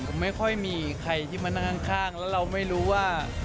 ผมไม่ค่อยมีใครที่มานั่งข้างแล้วเราไม่รู้ว่า